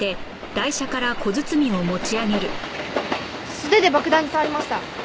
素手で爆弾に触りました。